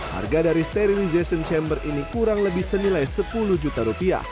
harga dari sterimization chamber ini kurang lebih senilai sepuluh juta rupiah